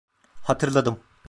Hatırladım.